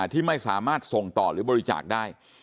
ที่ไม่สามารถส่งต่อหรือบริจาคได้